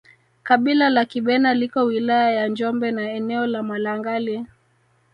Kabila la Kibena liko wilaya ya Njombe na eneo la Malangali